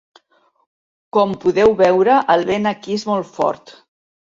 Com podeu veure el vent aquí és molt fort.